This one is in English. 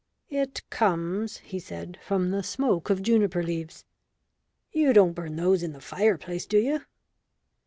"It comes," he said, "from the smoke of juniper leaves." "You don't burn those in the fireplace, do you?"